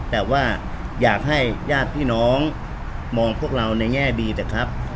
แต่ว่าอยากให้ญาติพี่น้องมองพวกเราในแง่ดีเถอะครับ